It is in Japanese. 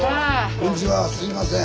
こんにちはすいません。